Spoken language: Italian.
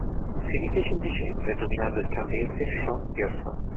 Si rifece in dicembre dominando il canadese Sean Pierson.